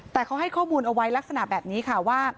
แต่เขาให้ข้อมูลเอาไว้ลักษณะแบบนี้ค่ะว่า